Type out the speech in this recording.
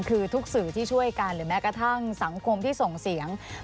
คือทุกสื่อที่ช่วยกันหรือแม้กระทั่งสังคมที่ส่งเสียง